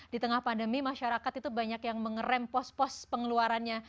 di tengah pandemi masyarakat itu banyak yang mengerem pos pos pengeluarannya